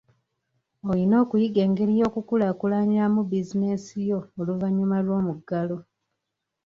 Olina okuyiga engeri y'okukulaakulanyaamu bizinensi yo oluvannyuma lw'omuggalo.